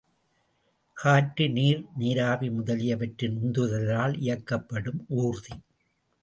காற்று, நீர், நீராவி முதலியவற்றின் உந்துதலால் இயக்கப்படும் ஊர்தி.